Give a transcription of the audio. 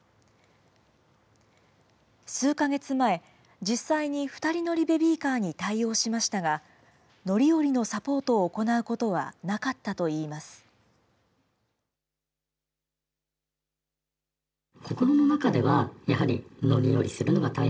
数か月前、実際に２人乗りベビーカーに対応しましたが、乗り降りのサポートを行うことはなかったといいます。